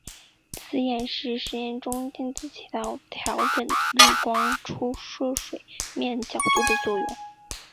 此演示实验中镜子起到调整日光出射水面角度的作用。